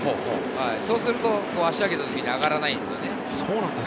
そうすると足を上げたときに上がらないんですよね。